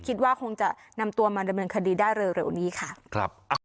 คิดว่าคงจะนำตัวมาดำเนินคดีได้เร็วนี้ค่ะ